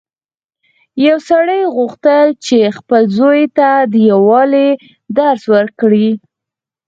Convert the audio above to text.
یو سړي غوښتل چې خپل زوی ته د یووالي درس ورکړي.